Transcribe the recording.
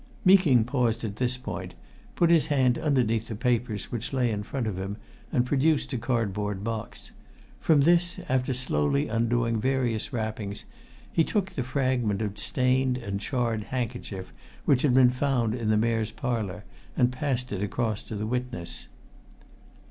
Meeking paused at this point, put his hand underneath the papers which lay in front of him and produced a cardboard box. From this, after slowly undoing various wrappings, he took the fragment of stained and charred handkerchief which had been found in the Mayor's Parlour, and passed it across to the witness.